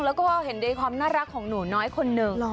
แล้วก็เห็นในความน่ารักของหนูน้อยคนหนึ่ง